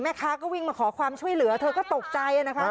ก็วิ่งมาขอความช่วยเหลือเธอก็ตกใจนะคะ